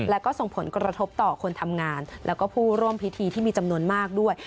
และก็ส่งผลกระทบต่อคนทำงานแล้วก็ผู้ร่วมพิธีที่มีจำนวนมากด้วย